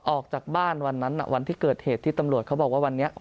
ออกจากบ้านวันนั้นวันที่เกิดเหตุที่ตำรวจเขาบอกว่าวันนี้